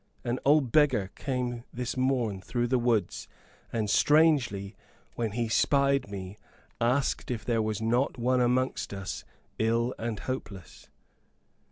An old beggar came this morn through the woods, and, strangely, when he spied me, asked if there was not one amongst us ill and hopeless."